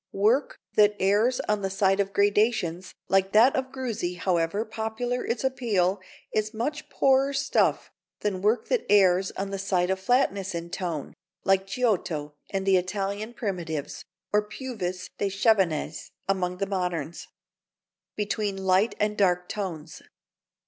Work that errs on the side of gradations, like that of Greuze, however popular its appeal, is much poorer stuff than work that errs on the side of flatness in tone, like Giotto and the Italian primitives, or Puvis de Chavannes among the moderns. [Sidenote: Between Light and Dark Tones.